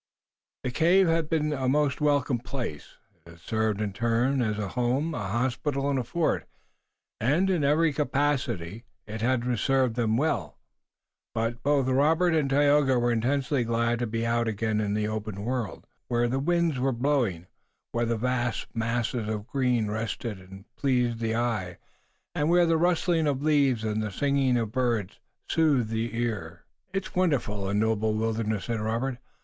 The cave had been a most welcome place. It had served in turn as a home, a hospital and a fort, and, in every capacity, it had served well, but both Robert and Tayoga were intensely glad to be out again in the open world, where the winds were blowing, where vast masses of green rested and pleased the eye, and where the rustling of leaves and the singing of birds soothed the ear. "It's a wonderful, a noble wilderness!" said Robert.